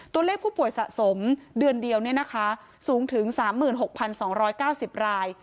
ตัวเลขผู้ป่วยสะสมเดือนเดียวสูงถึง๓๖๒๙๐ราย